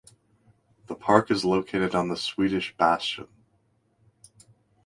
The park is located on the Swedish Bastion.